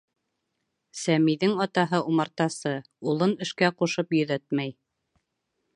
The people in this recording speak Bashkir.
Сәмиҙең атаһы умартасы, улын эшкә ҡушып йөҙәтмәй.